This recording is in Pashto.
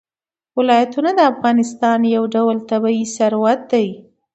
ولایتونه د افغانستان یو ډول طبعي ثروت دی.